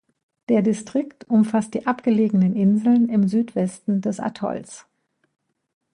Der Distrikt umfasst die abgelegenen Inseln im Südwesten des Atolls.